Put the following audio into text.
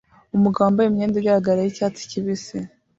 Umugabo wambaye imyenda igaragara yicyatsi kibisi